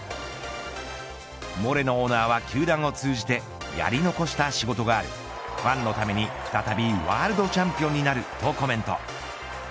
モレノオーナーは球団を通じてやり残した仕事があるファンのために再びワールドチャンピオンになるとコメント。